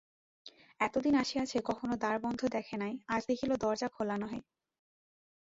এতদিন আসিয়াছে কখনো দ্বার বন্ধ দেখে নাই, আজ দেখিল দরজা খোলা নহে।